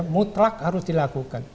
mutlak harus dilakukan